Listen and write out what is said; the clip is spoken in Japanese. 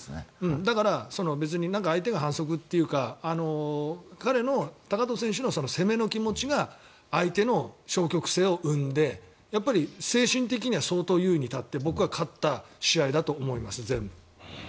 だから別に相手が反則というか彼の高藤選手の攻めの気持ちが相手の消極性を生んでやっぱり精神的には相当、優位に立って僕は勝った試合だと思います全部。